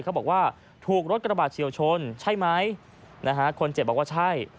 เขาบอกว่าถูกรถกระบาดเฉียวชนใช่ไหมนะฮะคนเจ็บบอกว่าใช่